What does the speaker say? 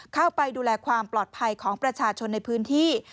เข้าไปดูแลความปลอดภัยของประชาชนในพื้นที่